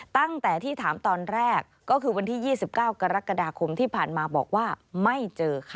ตั้งแต่ที่ถามตอนแรกก็คือวันที่๒๙กรกฎาคมที่ผ่านมาบอกว่าไม่เจอค่ะ